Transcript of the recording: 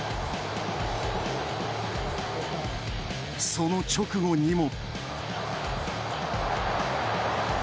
その直後にも。